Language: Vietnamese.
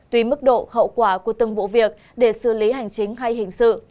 tùy mức độ hậu quả của từng vụ việc để xử lý hành chính hay hình sự